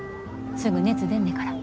すぐ熱出んねから。